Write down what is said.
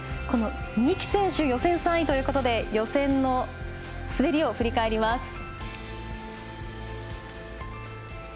この三木選手予選３位ということで予選の滑りを振り返ります。